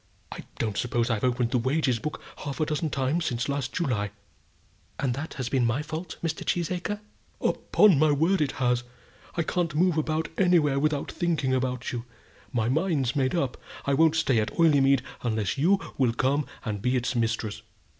I don't suppose I've opened the wages book half a dozen times since last July." "And has that been my fault, Mr. Cheesacre?" "Upon my word it has. I can't move about anywhere without thinking about you. My mind's made up; I won't stay at Oileymead unless you will come and be its mistress."